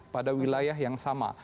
pada wilayah yang sama